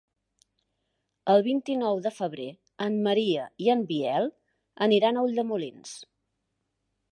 El vint-i-nou de febrer en Maria i en Biel aniran a Ulldemolins.